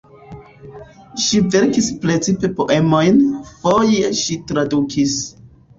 Ŝi verkis precipe poemojn, foje ŝi tradukis.